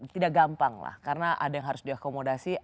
tidak gampang lah karena ada yang harus diakomodasi